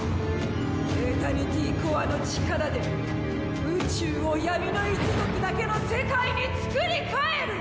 エタニティコアの力で宇宙を闇の一族だけの世界につくり替える！